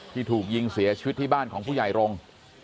ที่ถูกยิงเสียชีวิตที่บ้านของผู้ใหญ่รงค์